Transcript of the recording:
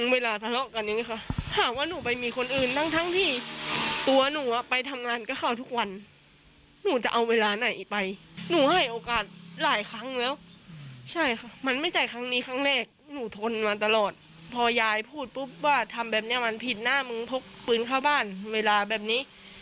ว่าทำแบบนี้มันผิดหน้ามึงพกปืนเข้าบ้านเวลาแบบนี้